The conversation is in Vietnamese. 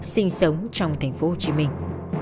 sinh sống trong thành phố hồ chí minh